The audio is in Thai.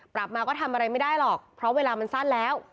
กลับมาก็ทำอะไรไม่ได้หรอกเพราะเวลามันสั้นแล้ว